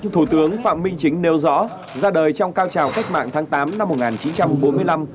thủ tướng phạm minh chính nêu rõ ra đời trong cao trào cách mạng tháng tám năm một nghìn chín trăm bốn mươi năm